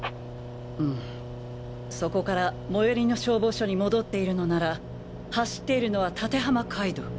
うむそこから最寄りの消防署に戻っているのなら走っているのは館浜街道